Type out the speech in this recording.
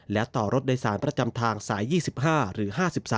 และต่อรถโดยสารประจำทางสาย๒๕หรือ๕๓